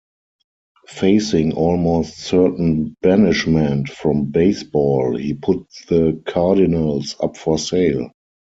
Facing almost certain banishment from baseball, he put the Cardinals up for sale.